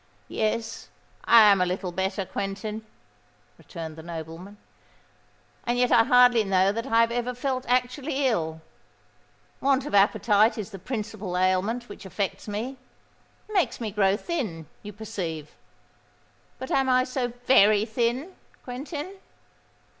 "Yes—I am a little better, Quentin," returned the nobleman; "and yet I hardly know that I have ever felt actually ill. Want of appetite is the principal ailment which affects me. It makes me grow thin, you perceive:—but am I so very thin, Quentin?"